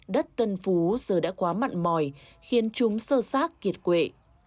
đất tân phú giờ đã quá mặn mòi khiến chúng sơ sát kiệt quệ